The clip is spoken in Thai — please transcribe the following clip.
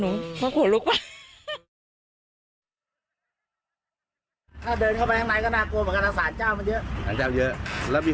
คือเขามาเร็วเขาเห็นงานต่อพูดไม่ได้